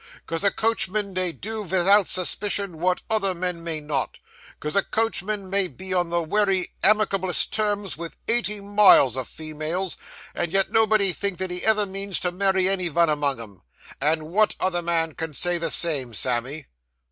''Cos a coachman may do vithout suspicion wot other men may not; 'cos a coachman may be on the wery amicablest terms with eighty mile o' females, and yet nobody think that he ever means to marry any vun among 'em. And wot other man can say the same, Sammy?